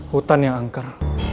hutan yang angker